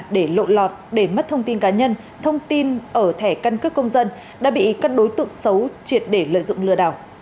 để lộ lọt để mất thông tin cá nhân thông tin ở thẻ căn cước công dân đã bị các đối tượng xấu triệt để lợi dụng lừa đảo